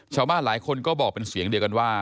ชาวบ้านหลายคนก็บอกเป็นเสียงเดียวกันว่า